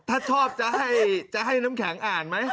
ถ้าชอบจะให้น้ำแข็งอ่านไหม